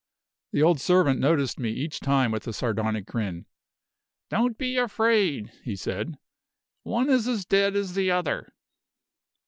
The old servant noticed me each time with a sardonic grin. "Don't be afraid," he said; "one is as dead as the other."